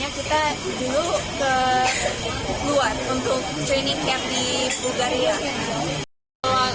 tapi apanya kita dulu keluar untuk training camp di bulgaria